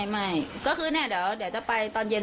ไม่ก็คือเนี่ยเดี๋ยวจะไปตอนเย็น